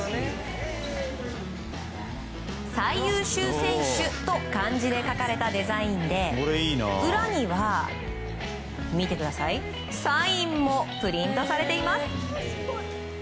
最優秀選手と漢字で書かれたデザインで裏にはサインもプリントされています。